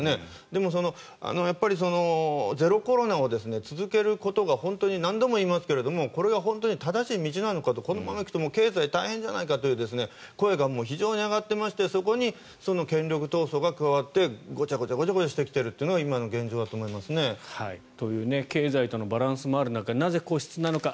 でも、ゼロコロナを続けることが本当に、何度も言いますがこれが本当に正しい道なのかというこのままいくと経済は大変じゃないかという声が非常に上がっていましてそこに権力闘争が加わってゴチャゴチャしてきているのが今の現状だと思いますね。という経済とのバランスもある中でなぜ、固執なのか。